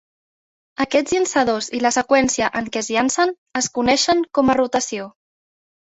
Aquests llançadors i la seqüència en què llancen es coneixen com a "rotació".